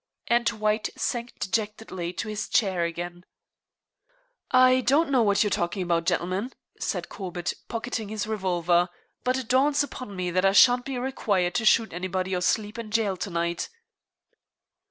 And White sank dejectedly to his chair again. "I don't know what you're talking about, gentlemen," said Corbett, pocketing his revolver; "but it dawns upon me that I shan't be required to shoot anybody or sleep in jail to night."